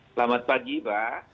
selamat pagi pak